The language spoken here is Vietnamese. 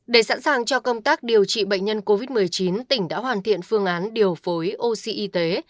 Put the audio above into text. để sẵn sàng cho công tác điều trị bệnh nhân covid một mươi chín tỉnh đã hoàn thiện phương án điều phối oxy y tế